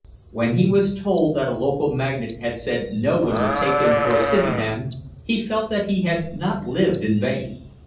When he was told that a local magnate had said no one would take him for a City man, he felt that he had not lived in vain.